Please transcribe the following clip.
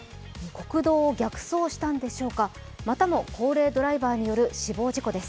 国道を逆走したんでしょうか、またも高齢ドライバーによる死亡事故です。